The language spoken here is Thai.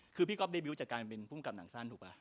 คือพี่ก๊อฟเดบิวต์จากการเป็นผู้กำกับหนังสั้นถูกปะ